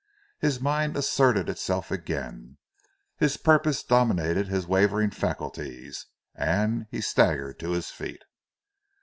His mind asserted itself again, his purpose dominated his wavering faculties, and he staggered to his feet.